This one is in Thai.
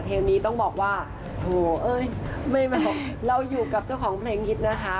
เทลนนี้ต้องบอกว่าโอ๊ยไม่เหมาะว่าเราอยู่กับเจ้าของเพลงฮิตนะคะ